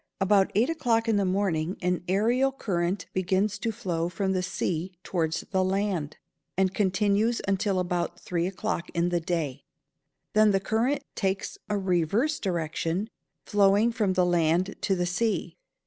About eight o'clock in the morning an ærial current begins to flow from the sea towards the land, and continues until about three o'clock in the day; then the current takes a reverse direction, flowing from the land to the sea.